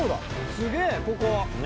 すげぇここ。